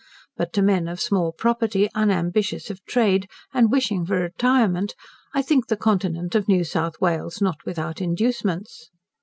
But to men of small property, unambitious of trade, and wishing for retirement, I think the continent of New South Wales not without inducements.